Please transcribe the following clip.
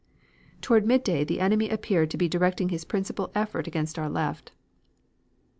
Toward midday the enemy appeared to be directing his principal effort against our left.